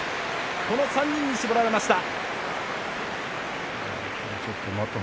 この３人に絞られました。